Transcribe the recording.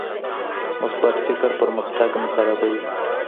مثبت فکر پرمختګ نه خرابوي.